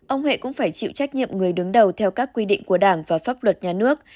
ông huệ cũng phải chịu trách nhiệm người đứng đầu theo các quy định của đảng và pháp luật nhà nước